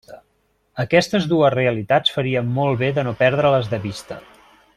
Aquestes dues realitats faríem molt bé de no perdre-les de vista.